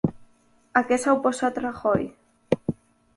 A què s'ha oposat Rajoy?